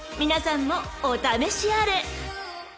皆さんもお試しあれ］